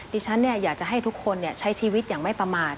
ดิฉันอยากจะให้ทุกคนใช้ชีวิตอย่างไม่ประมาท